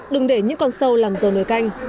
đừng để những con sâu làm dầu nồi canh